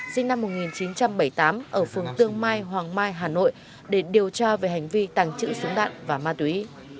sinh năm một nghìn chín trăm bảy mươi tám ở phường tương mai hoàng mai hà nội để điều tra về hành vi tàng trữ súng đạn và ma túy